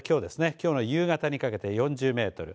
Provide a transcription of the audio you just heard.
きょうの夕方にかけて４０メートル